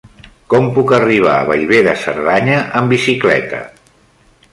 Com puc arribar a Bellver de Cerdanya amb bicicleta?